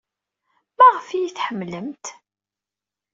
Maɣef ay iyi-tḥemmlemt?